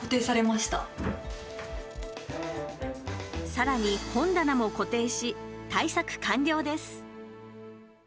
さらに、本棚も固定し対策完了です。